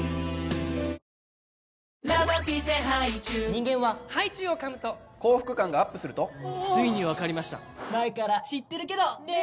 人間はハイチュウをかむと幸福感がＵＰするとついに分かりました前から知ってるけどねー！